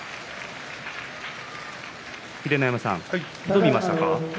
秀ノ山さん、どう見ましたか？